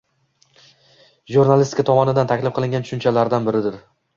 jurnalistikasi tomonidan taklif qilingan tushunchalardan biridir.